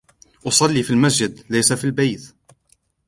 أصلي في المسجد ليس في البيت.